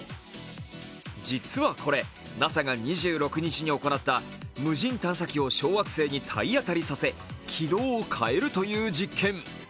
実はこれ、ＮＡＳＡが２６日に行った無人探査機を小惑星に体当たりさせ軌道を変えるという実験。